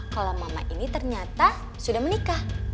kalau mama ini ternyata sudah menikah